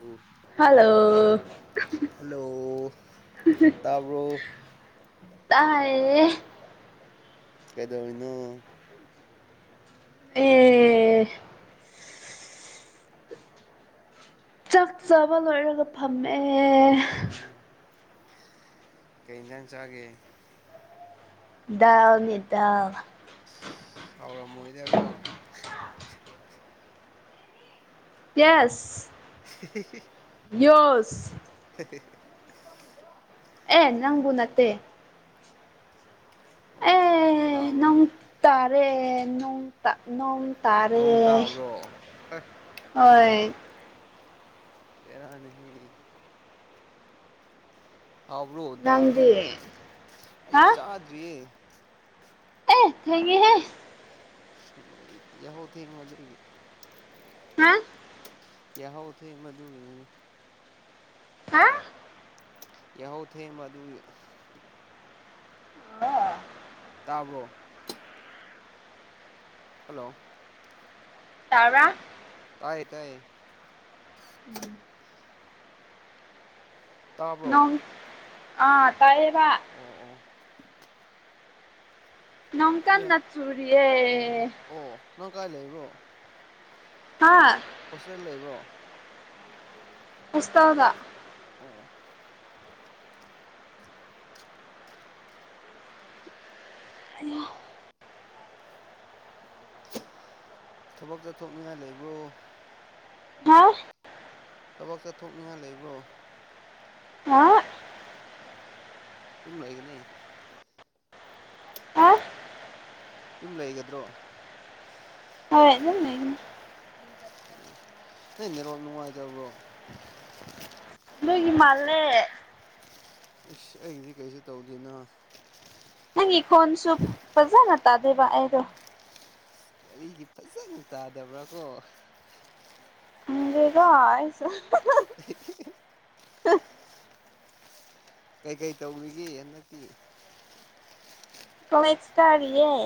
ꯎꯝ hello ꯇꯥꯔꯕꯣ ꯇꯌꯦ ꯀꯩꯗꯧꯅꯣ ꯑꯦ ꯆꯥꯛ ꯆꯥꯕ ꯂꯣꯏꯔꯒ ꯐꯝꯃꯦ ꯀꯩ ꯌꯦꯟꯖꯥꯡ ꯆꯥꯒꯦ ꯗꯥꯎꯅꯤꯗꯥ ꯍꯥꯎꯔ ꯃꯣꯏꯗꯕꯣ ꯌꯦꯁ [unintelligible] ꯌꯦꯁ [unintelligible] ꯑꯦ ꯅꯪꯒꯨꯅꯠꯇꯦ ꯑꯣ ꯀꯅꯥꯕꯔꯥ ꯔ ꯅꯣꯡꯇꯥꯛ ꯅꯣꯡ ꯅꯣꯡ ꯇꯥꯔꯦ ꯇꯥꯕ꯭ꯔꯣ ꯑꯦ ꯍꯣꯏ ꯔꯅꯤꯍ ꯍꯥꯎꯕ꯭ꯔꯣ ꯅꯪꯗꯤ ꯗꯥꯜꯗꯨꯕꯨ ꯑꯩ ꯍꯥ ꯆꯥꯗ꯭ꯔꯤꯌꯦ ꯑꯦ ꯍꯒꯦ ꯍꯥꯦ ꯎ ꯌꯥꯎ ꯊꯦꯡ ꯃꯗꯨꯒꯤ ꯍꯥ ꯀ ꯑꯣ ꯊꯦ ꯃꯗꯨ ꯍꯥ ꯌꯥꯎ ꯊꯦ ꯃꯗꯨ ꯑꯣ ꯇꯥꯕ꯭ꯔꯣ ꯍꯂꯣ ꯇ꯭ꯔ ꯇꯥꯏꯌꯦ ꯇꯥꯏꯌꯦ ꯎꯝ ꯇꯥꯕ꯭ꯔꯣ ꯅꯣꯡ ꯑꯥ ꯇꯥꯏꯦꯕ ꯑꯣ ꯅꯣꯡꯀꯥꯟ ꯑꯣ ꯅꯆꯨꯔꯌꯦ ꯑꯣ ꯅꯪ ꯀꯥꯏ ꯂꯩꯕ꯭ꯔꯣ ꯍꯥ ꯍꯣꯁꯇꯦꯜ ꯂꯩꯕ꯭ꯔꯣ ꯑꯁꯇꯗ ꯑꯣ ꯍꯣ ꯊꯕꯛꯇ ꯊꯣꯛꯅꯤꯡꯉꯥꯏ ꯂꯩꯕ꯭ꯔꯣ ꯍꯥ ꯊꯕꯛ ꯆꯠꯊꯣꯛꯅꯤꯡꯉꯥꯏ ꯂꯩꯕ꯭ꯔꯣ ꯍꯥ ꯏꯝ ꯂꯒꯦ ꯅ ꯍꯥ ꯌꯨꯝ ꯂꯩꯒꯗ꯭ꯔꯣ ꯍꯣꯏ ꯑꯗꯨ ꯑꯗꯨꯝ ꯂꯩꯣꯏꯃꯦ ꯔꯣ ꯅꯅꯨꯡꯉꯥꯏꯗꯕꯣ ꯅꯣꯏꯒꯤ ꯃꯥꯜꯂꯦ ꯏꯁ ꯑꯩꯗꯤ ꯀꯩꯁꯨ ꯇꯧꯗꯦꯅ ꯀꯣꯟꯁꯨꯕ ꯐꯖꯥꯅ ꯇꯥꯗꯦꯕ ꯑꯦꯗꯣ ꯀꯒꯥꯔꯤꯒꯤ ꯐꯖꯅ ꯇꯥꯗꯕ꯭ꯔꯥ ꯀꯣ ꯦꯒꯁꯨ [unintelligible] ꯑ ꯀꯩꯀꯩ ꯇꯧꯔꯤꯒꯦ ꯍꯟꯗꯛꯇꯤ ꯃ ꯑꯦꯛꯁꯇ꯭ꯔꯥꯔꯦ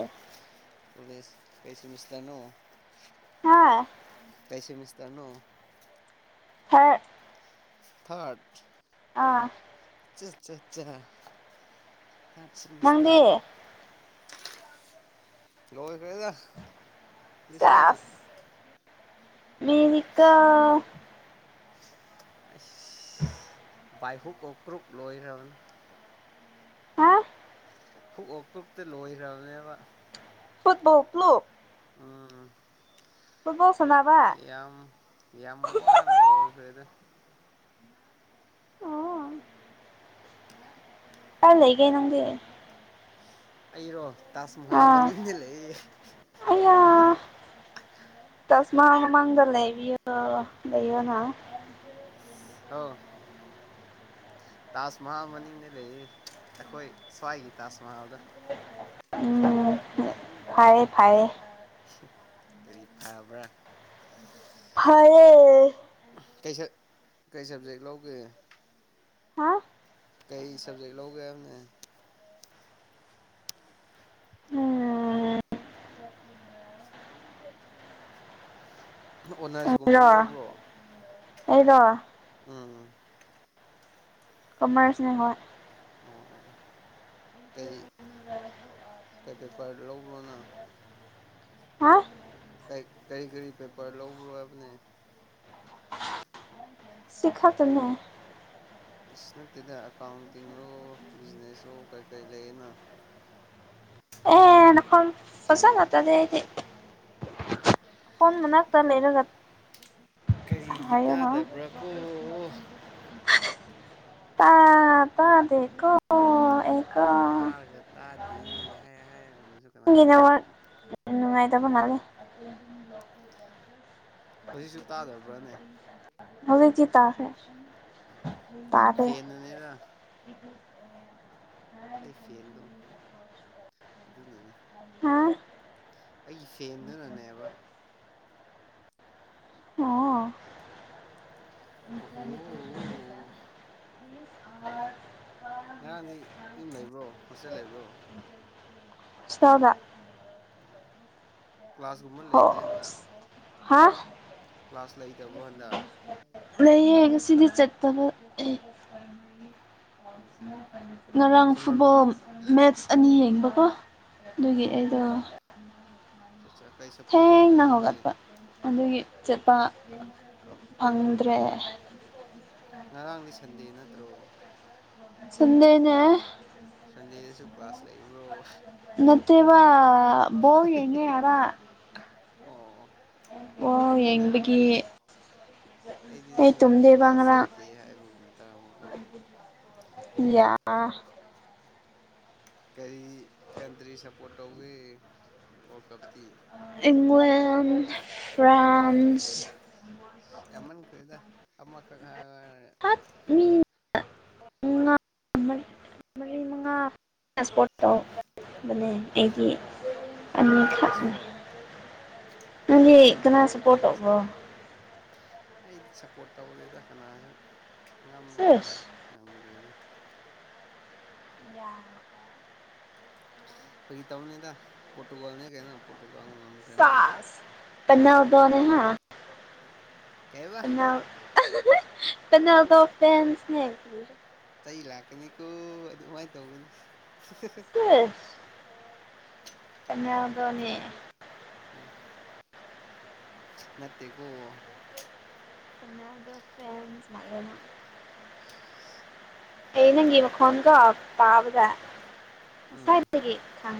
ꯄꯨꯂꯤꯁ ꯀꯩꯁꯤ ꯃꯤꯁꯇꯅꯨ ꯍꯣꯏ ꯇꯅꯣ ꯍꯥ ꯊꯥꯠ ꯑꯥ ꯆꯥ ꯑꯆꯥ ꯇꯠꯁꯇ ꯅꯪꯗꯤ ꯣꯕ ꯀꯩꯗ ꯗꯤꯁꯤꯅ ꯃꯤꯦꯅꯤꯀꯥ ꯑ ꯥꯏꯍꯨꯛ ꯑꯣꯀ꯭ꯔꯨꯛ ꯂꯣꯏꯈ꯭ꯔꯅꯤ ꯍꯥ ꯍꯨꯛ ꯑꯣꯛ ꯀꯛꯇ ꯂꯣꯏꯈ꯭ꯔꯕꯅꯦꯕ ꯐꯠ ꯥꯎꯛꯂꯣ ꯎꯝ ꯁꯥꯟꯅꯕ ꯌꯥꯝ ꯌꯥꯝ ꯋꯥꯅꯦ ꯂꯣ ꯐꯗ ꯑꯣ ꯀ ꯂꯩꯒꯦꯅꯗ ꯑꯩꯔꯣ ꯇꯥꯖ ꯃꯍꯜ ꯃꯅꯤꯡꯅ ꯂꯩꯌꯦ ꯇꯁ ꯃꯥ ꯃꯥꯡꯥꯡꯂ ꯂꯩꯌꯅ ꯑꯥꯎ ꯇꯥꯖ ꯃꯍꯜ ꯃꯅꯤꯡꯅꯦ ꯂꯩꯌꯦ ꯑꯩꯈꯣꯏ ꯁ꯭ꯋꯥꯏꯒꯤ ꯇꯥꯖ ꯃꯍꯜꯗ ꯐꯔꯌꯦꯦ ꯐꯔꯌꯦꯦ ꯀꯔꯤ ꯐꯥꯕ꯭ꯔꯥ ꯐꯔꯦ ꯀꯩ ꯁ ꯀꯩ ꯁꯕꯖꯦꯛ ꯂꯧꯒꯦ ꯍꯥ ꯀꯩ ꯁꯕꯖꯦꯛ ꯂꯧꯧꯒꯦ ꯑꯅꯦ ꯎꯝ ꯑꯣꯅꯔꯁꯀꯨꯝꯕ ꯂꯧꯕ꯭ꯔꯣ ꯑꯩꯗꯣ ꯎꯝ ꯀꯃꯔꯁꯅꯦ ꯍꯣꯣꯏ ꯑꯣ ꯀꯩ ꯀꯩ ꯄꯦꯄꯔ ꯂꯧꯕ꯭ꯔꯣꯅ ꯍꯥ ꯀ ꯀꯔꯤ ꯀꯔꯤ ꯄꯦꯄꯔ ꯂꯧꯧꯕꯣ ꯌꯥꯝ ꯁꯤꯤꯈꯛꯅ ꯑ ꯅꯠꯇꯦꯗ ꯑꯦꯀꯥꯎꯟꯇꯤꯡꯔꯣ ꯕꯤꯖꯤꯅꯦꯁꯂꯣ ꯀꯩꯀꯔꯤ ꯂꯩꯌꯦꯅ ꯍ ꯅꯈꯣ ꯐꯁꯅ ꯇꯗ ꯐꯣꯟ ꯃꯅꯥꯛ ꯇ ꯂꯩꯦꯔ ꯉ ꯀꯔꯤꯒꯤ ꯍꯥꯏꯗꯅꯥ ꯇꯥꯗꯕ꯭ꯔꯥ ꯀꯣ ꯇꯥ ꯇ ꯗꯣ ꯇꯥꯔꯒ ꯇꯥꯗꯤ ꯍꯥꯏ ꯍꯥꯏ ꯒꯤꯗ ꯅꯨꯡꯉꯥꯏ ꯇꯥꯕꯅꯂꯦ ꯍꯧꯖꯤꯛꯁꯨ ꯇꯥꯗꯕ꯭ꯔꯥꯅꯦ ꯍꯧꯖꯤꯛ ꯆ ꯇꯁꯦ ꯎ ꯐꯦꯟ ꯑꯅꯦꯔ ꯑꯩ ꯐꯦꯟꯗꯣ ꯑꯗꯨꯅꯅꯦ ꯍꯥ ꯑꯩꯒꯤ ꯐꯦꯟꯗꯨꯅꯅꯦꯕ ꯑꯣ ꯑꯣ ꯉꯔꯥꯡꯗꯤ ꯌꯨꯝ ꯂꯩꯕ꯭ꯔꯣ ꯍꯣꯁꯇꯦꯜ ꯂꯩꯕ꯭ꯔꯣ ꯁꯣꯉ ꯎꯝ ꯀ꯭ꯂꯥꯁꯀꯨꯝꯕ ꯂꯩꯇꯦ ꯍꯟꯗ ꯍꯥꯥ ꯀ꯭ꯂꯥꯁ ꯂꯩꯇꯕ꯭ꯔꯣ ꯍꯟꯗ ꯂꯩꯌꯦ ꯉꯁꯤꯗꯤ ꯆꯠꯇꯕ ꯑꯣ ꯑꯣ ꯉꯔꯥꯡ ꯁꯝꯃꯔ ꯕ꯭ꯔꯤꯛ ꯐꯨꯠꯕꯣꯜ ꯃꯦꯠꯁ ꯑꯅꯤ ꯌꯦꯡꯕꯀꯣ ꯑꯣ ꯑꯗꯨꯒꯤ ꯑꯣ ꯑꯩꯗꯣ ꯑꯠꯆꯥ ꯑꯠꯆꯥ ꯀꯩ ꯍꯦ ꯁꯞꯄꯣꯔꯠ ꯇꯧꯒꯦ ꯅꯪꯗꯤ ꯅꯅꯥꯍꯒꯗꯄ ꯑꯗꯨꯗꯒꯤ ꯆꯠꯄ ꯐꯪꯗ꯭ꯔꯦ ꯉꯔꯥꯡꯗꯤ ꯁꯟꯗꯦ ꯅꯠꯇ꯭ꯔꯣ ꯆꯗꯦꯅꯦ ꯁꯟꯗꯦꯗꯁꯨ ꯀ꯭ꯂꯥꯁ ꯂꯩꯕ꯭ꯔꯣ ꯅꯠꯇꯦꯕ ꯣ ꯌꯦꯉꯦ ꯌꯥꯔ ꯑꯣ ꯑꯣ ꯑꯩꯗꯤ ꯅꯪ ꯌꯦꯡꯕꯒꯤ ꯑꯩꯗꯤ ꯑꯩ ꯅꯪ ꯉꯔꯥꯡ ꯇꯨꯝꯗꯦꯕ ꯀ꯭ꯂꯥꯁ ꯉꯔꯥꯡ ꯆꯠꯇꯦ ꯍꯥꯏꯕꯒꯨꯝ ꯇꯥꯕꯕꯨꯣ ꯌꯥ ꯀꯔꯤ ꯀꯟꯇ꯭ꯔꯤ ꯁꯞꯄꯣꯔꯠ ꯇꯧꯒꯦ ꯋꯥꯔꯜ ꯀꯞꯇꯤ ꯏꯪꯂꯂꯦꯟ ꯐ꯭ꯔꯥꯟꯁ ꯑꯃꯟ ꯀꯔꯤꯗ ꯑꯃ ꯀ ꯈ ꯐꯠ ꯃꯤ ꯃꯩ ꯃꯉꯥ ꯇ꯭ꯔꯥꯟꯄꯣꯔꯠꯣ ꯕꯅꯦ ꯑꯩꯗꯤ ꯑꯣ ꯑꯅꯤꯈꯛꯅꯦ ꯔꯦꯁꯐꯣꯔꯠ ꯃ ꯂꯩꯛ ꯀ ꯁꯄꯣꯔꯠꯣ ꯆꯠꯁꯦ ꯀ ꯑꯩꯗꯤ ꯁꯞꯄꯣꯔꯠ ꯇꯧꯔꯦꯗ ꯀꯅꯥꯁꯨ ꯉꯝꯕ ꯃꯤꯅ ꯁꯦꯁ ꯉꯝꯈ꯭ꯔꯦꯗ ꯌꯥꯏ ꯐꯒꯤ ꯇꯅꯦꯗ ꯄꯣꯇꯣꯒꯣꯜꯅꯦ ꯀꯩꯅ ꯄꯣꯣ ꯁꯥꯥꯁ ꯄꯅꯗꯅꯦ ꯍꯥ ꯀꯩꯕ ꯅꯗ ꯐꯁꯅꯦ ꯆꯩ ꯂꯥꯛꯀꯅꯤꯀꯣ ꯑꯗꯨꯃꯥꯏꯅ ꯇꯧꯒꯅ ꯀ ꯣꯅꯤ ꯎꯝ ꯅꯠꯇꯦ ꯀꯣ ꯗ ꯐꯦꯟꯁ ꯃꯥꯒꯦꯅ ꯑꯩ ꯅꯪꯒꯤ ꯃꯈꯣꯟꯣꯟꯒꯣ ꯄꯥꯕꯗ ꯎꯝ ꯉꯁꯥꯏ ꯂꯩ ꯈ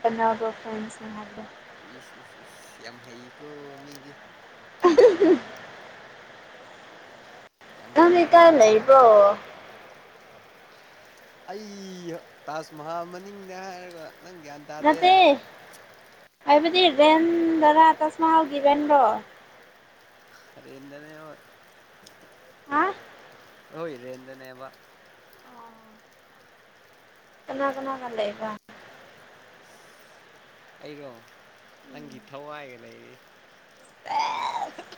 ꯀꯩꯅ ꯐ꯭ꯔꯦꯟꯁꯤꯡꯔꯗ ꯏ ꯏ ꯍꯩ ꯀꯣ ꯃꯤꯗꯤ [unintelligible] ꯌꯥꯝ ꯑ ꯏ ꯀ ꯍꯩꯈ꯭ꯔꯦꯅ ꯂꯩ ꯏꯕ ꯑꯩ ꯇꯥꯖ ꯃꯍꯜ ꯃꯅꯤꯡꯅꯦ ꯍꯥꯏꯔꯒ ꯅꯪ ꯒ꯭ꯌꯥꯟ ꯇꯥꯗꯦ ꯅꯠꯇꯦ ꯍꯥꯏꯕꯗꯤ ꯔꯦꯟꯗꯔꯥ ꯇꯥꯖ ꯃꯍꯍꯜꯒꯤ ꯏꯚꯦꯟꯔꯣ ꯔꯦꯟꯗꯅꯦ ꯑꯣ ꯑ ꯍꯣꯏ ꯏ ꯔꯦꯟꯗꯅꯦꯕ ꯀꯅꯥ ꯀꯅꯥ ꯐ ꯂꯩꯀ ꯑꯩꯔꯣ ꯅꯪꯒꯤ ꯊꯋꯥꯏꯒ ꯂꯩꯔꯤ ꯁꯦꯁ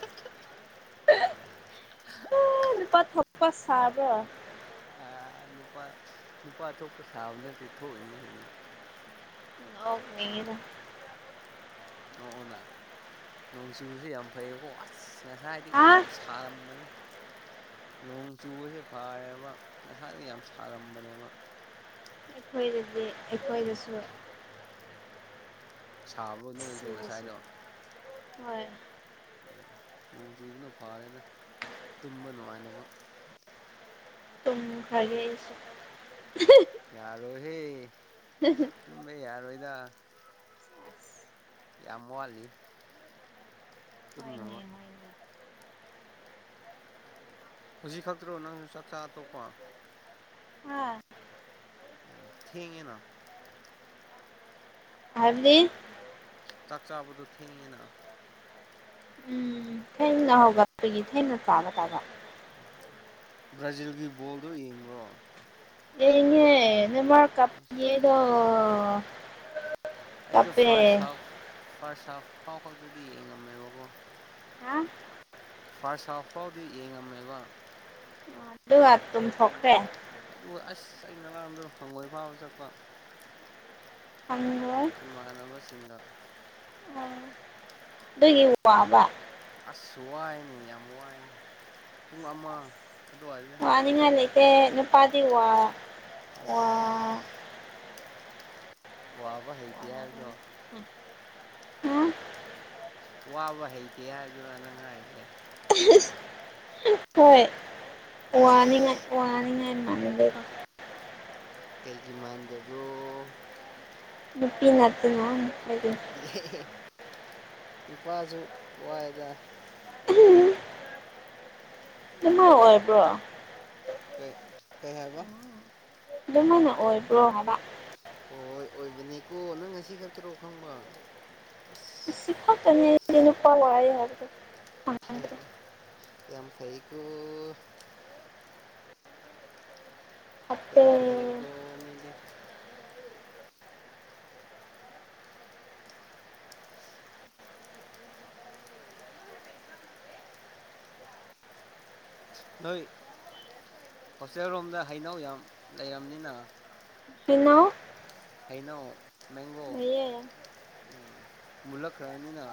[unintelligible] ꯑꯗꯨꯄꯥ ꯊꯄ ꯁꯥꯕ ꯑ ꯅꯨꯄꯥ ꯅꯨꯄꯥ ꯊꯣꯛꯄ ꯁꯥꯕ ꯅꯠꯇꯦ ꯊꯣꯛꯏꯅꯦ ꯀꯩꯅꯣ ꯂꯒꯅꯤꯔ ꯅꯅ ꯅꯣꯡꯆꯨꯁꯨ ꯌꯥꯝ ꯐꯩꯌꯦꯀ ꯑꯁ ꯉꯁꯥꯏ ꯍꯥꯏꯗꯤ ꯍꯥ ꯌꯥꯝ ꯁꯥꯔꯝꯕꯅꯤ ꯅꯣꯡ ꯆꯨꯕꯁꯦ ꯐꯥꯏꯌꯦꯕ ꯉꯁꯥꯏꯗ ꯌꯥꯝ ꯁꯥꯔꯝꯕꯅꯦꯕ ꯑꯩꯈꯣꯏꯗꯗꯤꯦ ꯑꯩꯈꯣꯏꯗꯁꯨꯣ ꯁꯥꯕ꯭ꯔꯣ ꯅꯣꯏꯁꯨ ꯉꯁꯥꯏꯗꯣ ꯍꯣꯏ ꯎꯝ ꯅꯣꯡ ꯆꯨꯕꯅ ꯐꯥꯔꯦꯅ ꯇꯨꯝꯕ ꯅꯨꯡꯉꯥꯏꯃꯛ ꯑꯗꯨꯝ ꯐꯔꯦ ꯑꯩꯁꯨ ꯌꯥꯔꯣꯏꯍꯦ ꯇꯃꯦ ꯌꯥꯔꯣꯏꯗ ꯌꯥꯝꯃꯣꯂꯤ ꯍꯣꯏꯅꯦ ꯇꯝꯅꯅꯕ ꯍꯣꯏꯅꯦ ꯍꯧꯖꯤꯛ ꯈꯛꯇ꯭ꯔꯣ ꯅꯪꯁꯨ ꯆꯥꯛ ꯆꯥ ꯑꯇꯣꯞꯄ ꯍꯥ ꯎꯝ ꯊꯦꯡꯉꯦꯅ ꯍꯥꯏꯕꯗꯤ ꯆꯥꯛ ꯆꯥꯕꯗꯣ ꯊꯦꯡꯉꯦꯅ ꯎꯝ ꯊꯦꯡꯅ ꯍꯧꯕ ꯑꯩꯈꯣꯏꯒꯤ ꯊꯦꯡꯅ ꯆꯥꯕ ꯇꯥꯕ ꯕ꯭ꯔꯥꯖꯤꯜꯒꯤ ꯕꯣꯜꯗꯣ ꯌꯦꯡꯕ꯭ꯔꯣ ꯑꯦꯉꯦ ꯅ ꯃꯥ ꯀ ꯌꯦꯗꯣ ꯑꯩꯗꯣ ꯐꯥꯔꯁ ꯍꯥꯐ ꯐꯥꯔꯁ ꯍꯥꯐ ꯍꯥꯎ ꯈꯛꯇꯗꯤ ꯌꯦꯡꯉꯝꯃꯦꯕꯀꯣ ꯍꯥ ꯐꯥꯔꯁ ꯍꯥꯐ ꯐꯥꯎꯗꯤ ꯌꯦꯡꯉꯝꯃꯦꯕ ꯗꯨ ꯑ ꯇꯝ ꯊꯈ꯭ꯔꯦ ꯑꯗꯨ ꯑꯁ ꯑꯩ ꯉꯔꯥꯡꯗꯣ ꯍꯪꯒꯣꯏ ꯐꯥꯎꯕ ꯆꯠꯄ ꯑꯪꯉꯣꯢ ꯆꯅ ꯑꯗꯨꯒꯤ ꯋꯥꯕ ꯑꯁ ꯋꯥꯏꯅꯦ ꯌꯥꯝ ꯋꯥꯏ ꯄꯨꯡ ꯑꯃ ꯑꯗꯨꯋꯥꯏꯗꯅ ꯋꯥ ꯍꯜꯂꯛꯄꯗꯣ ꯅꯤꯡꯉ ꯂꯩꯀꯦ ꯅꯨꯄꯥꯗꯤ ꯋꯥ ꯋꯥ ꯑꯁ ꯋꯥꯕ ꯍꯩꯇ ꯌꯥꯕꯗꯣ ꯎꯝ ꯋꯥꯕ ꯍꯩꯇꯦ ꯍꯥꯏꯗꯨꯅ ꯅꯪ ꯍꯥꯏꯁꯦ ꯍꯣꯏ ꯋꯥꯅꯤꯡꯉꯥꯏ ꯏꯁ ꯋꯥꯅꯤꯡꯉꯥꯏ ꯃꯥꯡꯗ ꯀꯩꯒꯤ ꯃꯥꯟꯗꯕ꯭ꯔꯣ ꯅꯨꯄꯤ ꯉꯠꯇꯅ ꯌꯥꯏ ꯅꯨꯄꯥꯁꯨ ꯋꯥꯏꯗ ꯀꯩꯅꯣ ꯑꯣꯏꯕ꯭ꯔꯣ ꯀꯩ ꯀꯩ ꯍꯥꯏꯕ ꯑꯗꯨꯃꯥꯏꯅ ꯑꯣꯏꯕ꯭ꯔꯣ ꯍꯥꯏꯕ ꯍꯣꯏ ꯍꯣꯏ ꯑꯣꯏꯕꯅꯤꯀꯣ ꯅꯪ ꯉꯁꯤ ꯈꯛꯇꯔꯣ ꯈꯪꯕ ꯑꯁ ꯁꯤ ꯐꯛꯇꯅꯦ ꯅꯨꯄꯥ ꯋꯥꯢꯌꯦ ꯍꯥꯏꯕꯗꯨ ꯑꯦ ꯌꯥꯝ ꯐꯩꯀꯣ ꯐꯠꯇꯦ ꯌꯥꯝ ꯐꯩꯀꯣ ꯃꯤꯗꯤ ꯅꯣꯏ ꯍꯣꯁꯇꯦꯜ ꯔꯣꯝꯗ ꯍꯩꯅꯧ ꯌꯥꯝ ꯂꯩꯔꯝꯅꯤꯅ ꯏꯩꯅꯧ ꯑꯩꯅꯧ ꯃꯩꯌꯦ ꯎꯝ ꯃꯂꯛ ꯈꯔꯅꯤꯅ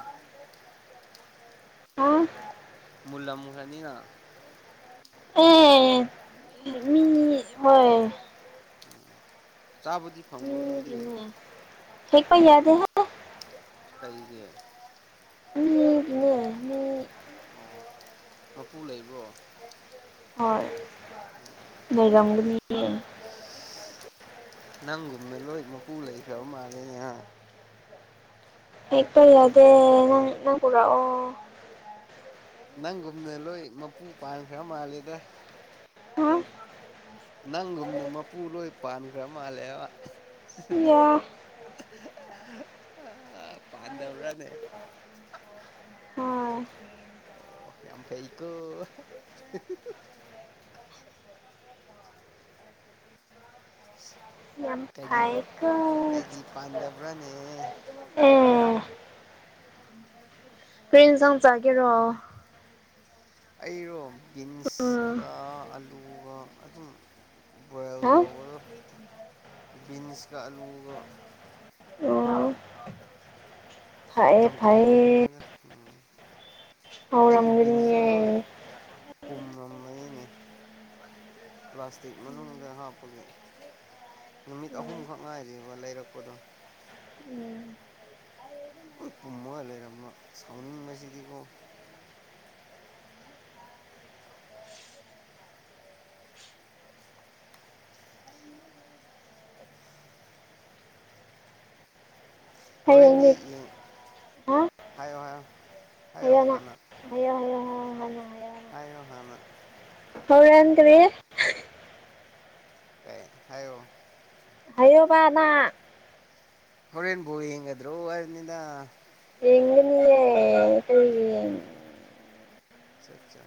ꯍꯥ ꯃꯨꯜꯂꯝꯒꯅꯤꯅ ꯑꯦ ꯃꯤ ꯍꯣꯏ ꯑ ꯆꯥꯕꯨꯗꯤ ꯐꯪꯕ꯭ꯔꯣ ꯅꯣꯢꯗꯤ ꯍꯦꯛ ꯄ ꯌꯥꯗꯦꯍꯦ ꯀꯩꯒꯤ ꯃꯤꯒꯤꯅꯦ ꯃꯤ ꯑꯣ ꯃꯄꯨ ꯂꯩꯕ꯭ꯔꯣ ꯍꯣꯏ ꯂꯩꯔꯝꯒꯅꯤꯌꯦ ꯅꯪꯒꯨꯝꯅ ꯂꯣꯏ ꯃꯄꯨ ꯂꯩꯈ꯭ꯔꯕ ꯃꯥꯜꯂꯦꯅꯦꯍ ꯍꯦꯛꯄ ꯌꯥꯗꯦ ꯅꯪ ꯅꯪ ꯄꯨꯔꯛꯑꯣ ꯅꯪꯒꯨꯝꯅ ꯂꯣꯏ ꯃꯄꯨ ꯄꯥꯟꯈ꯭ꯔ ꯃꯥꯜꯂꯦꯗ ꯍꯥ ꯅꯪꯒꯨꯝꯅ ꯃꯄꯨ ꯂꯣꯏ ꯄꯥꯟꯈ꯭ꯔ ꯃꯥꯜꯂꯦꯕ ꯌꯥ ꯑ ꯄꯥꯟꯗꯧꯔꯅꯦ ꯍꯣꯏ ꯑꯣ ꯌꯥꯝ ꯐꯍꯤꯀꯣ ꯀꯩꯒꯤ ꯍꯥꯏ ꯀꯩꯒꯤ ꯄꯥꯟꯗꯕ꯭ꯔꯥꯅꯦ ꯑꯦ ꯀ꯭ꯔꯤ ꯢꯟꯖꯥꯡ ꯆꯒꯦꯔꯣ ꯑꯩꯔꯣ ꯎꯝ ꯕꯤꯟꯁꯀ ꯑꯂꯨꯒ ꯑꯗꯨꯝ ꯕꯣꯏꯜ ꯍꯥ ꯇꯧꯕꯗꯣ ꯕꯤꯟꯁꯀ ꯑꯂꯨꯒ ꯐꯥꯏꯑꯦ ꯐꯌꯦ ꯎꯝ ꯑꯔꯪꯅꯤ ꯄꯨꯝꯝ ꯃꯔꯤꯅꯦ ꯄ꯭ꯂꯥꯁꯇꯤꯛ ꯃꯅꯨꯡꯗ ꯍꯥꯞꯄꯒꯤ ꯅꯨꯃꯤꯠ ꯑꯍꯨꯝꯈꯛ ꯉꯥꯏꯔꯤꯕ ꯂꯩꯔꯛꯄꯗꯣ ꯄꯨꯝꯃꯒ ꯂꯩꯔꯝꯕ ꯁꯥꯎꯅꯤꯡꯕꯁꯤꯗꯤꯀꯣ ꯍꯣꯔꯦꯟꯗꯤ ꯍꯌꯦꯡꯗꯤ ꯌꯦꯡ ꯍꯥ ꯍꯥꯏꯌꯣ ꯍꯥꯏ ꯍꯥꯏꯌꯣ ꯅꯪ ꯍꯥꯟꯅ ꯍꯥꯏꯌꯣ ꯍꯥꯏꯌꯣ ꯍꯥꯏꯌꯣ ꯍꯥꯏꯣ ꯍꯅ ꯍꯧꯔꯗꯔꯤ ꯀ ꯍꯥꯏꯣ ꯍꯥꯏꯌꯕꯅꯅꯥ ꯃꯔꯦꯟ ꯕꯨ ꯍꯉꯗꯣ ꯑꯅꯗ ꯌꯦꯡꯒꯅꯤꯌꯦ ꯀꯔꯤ ꯌꯦꯡ ꯑ ꯆꯥ